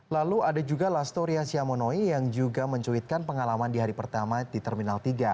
lalu ada juga lastoria siamonoi yang juga mencuitkan pengalaman di hari pertama di terminal tiga